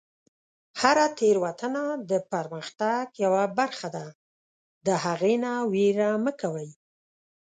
هره تیروتنه د پرمختګ یوه برخه ده، د هغې نه ویره مه کوئ.